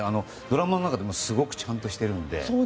ドラマの中でもすごくちゃんとしてるので。